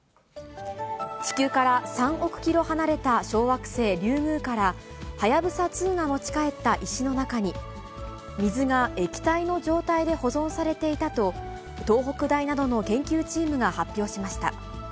地球から３億キロ離れた小惑星リュウグウから、はやぶさ２が持ち帰った石の中に、水が液体の状態で保存されていたと、東北大などの研究チームが発表しました。